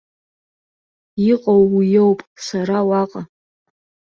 Иҟоу уиоуп, сара уаҟа.